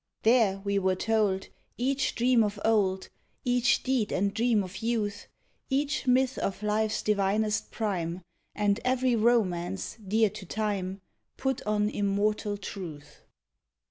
There, we were told, each dream of old, Each deed and dream of youth, Each myth of life's divinest prime, And every romance, dear to time, Put on immortal truth.